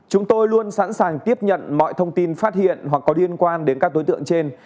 chúng tôi luôn sẵn sàng tiếp nhận mọi thông tin phát hiện hoặc có liên quan đến các đối tượng trên